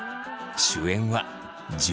主演は樹。